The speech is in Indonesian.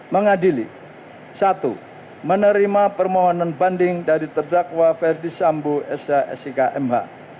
mengadili satu menerima permohonan banding dari tedraqua verdi sambu s a s i k m h